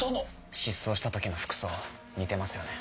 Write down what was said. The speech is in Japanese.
失踪した時の服装似てますよね。